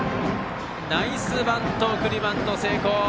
ナイスバント、送りバント成功！